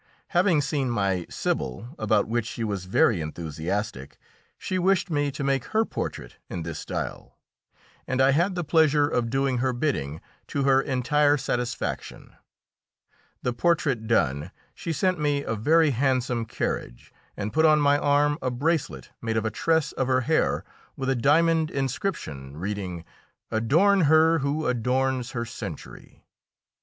Having seen my "Sibyl," about which she was very enthusiastic, she wished me to make her portrait in this style, and I had the pleasure of doing her bidding to her entire satisfaction. The portrait done, she sent me a very handsome carriage, and put on my arm a bracelet made of a tress of her hair with a diamond inscription reading, "Adorn her who adorns her century."